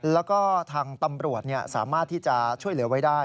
แล้วก็ทางตำรวจสามารถที่จะช่วยเหลือไว้ได้